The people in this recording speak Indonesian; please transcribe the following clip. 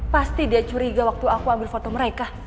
pasti dia curiga waktu aku ambil foto mereka